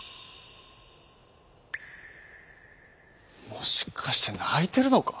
「もしかしてないてるのか？」。